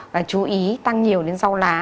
và chú ý tăng nhiều đến rau lá